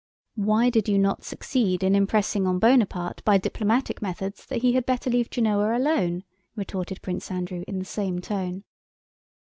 "Why did you not succeed in impressing on Bonaparte by diplomatic methods that he had better leave Genoa alone?" retorted Prince Andrew in the same tone.